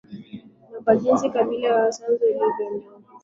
Na kwa jinsi Kabila la Waisanzu lilivyo dogo